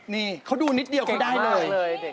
นี่เขาดูนิดเดียวก็ได้เลย